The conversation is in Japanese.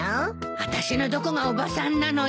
あたしのどこがおばさんなのよ。